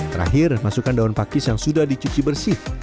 terakhir masukkan daun pakis yang sudah dicuci bersih